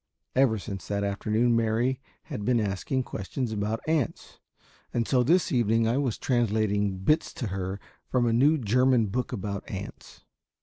Ever since that afternoon Mary had been asking questions about ants, and so this evening I was translating bits to her from a new German book about ants.